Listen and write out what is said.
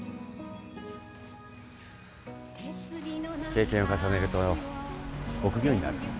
経験を重ねると臆病になる。